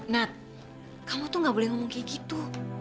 nad kamu tuh nggak boleh ngomong kayak gitu